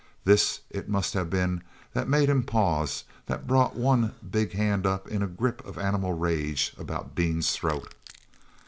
This it must have been that made him pause, that brought one big hand up in a grip of animal rage about Dean's throat.